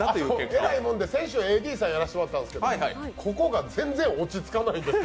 えらいれんで、先週ＡＤさんやらせてもらったんですけどここが全然落ち着かないです。